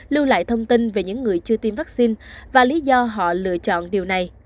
lưu lại thông tin về những người chưa tiêm vaccine và lý do họ lựa chọn điều này